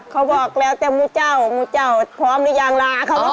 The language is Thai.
เขาบอกแล้วแต่มูเจ้ามูเจ้าพร้อมหรือยังล่ะ